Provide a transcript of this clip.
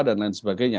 dan lain sebagainya